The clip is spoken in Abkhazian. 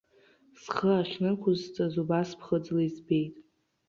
Схы ахьнықәысҵаз, убас ԥхыӡла избеит.